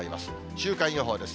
週間予報です。